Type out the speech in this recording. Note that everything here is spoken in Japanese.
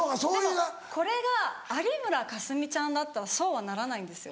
でもこれが有村架純ちゃんだったらそうはならないんですよ。